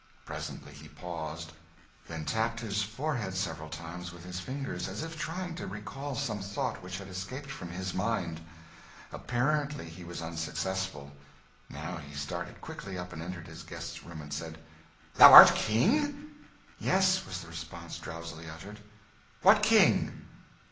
Presently he paused; then tapped his forehead several times with his fingers, as if trying to recall some thought which had escaped from his mind. Apparently he was unsuccessful. Now he started quickly up, and entered his guest's room, and said "Thou art King?" "Yes," was the response, drowsily uttered. "What King?"